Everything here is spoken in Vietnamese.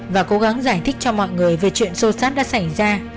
và cố gắng giải thích cho mọi người về chuyện sâu sát đã xảy ra